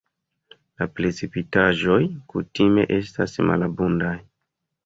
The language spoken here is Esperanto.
La precipitaĵoj kutime estas malabundaj.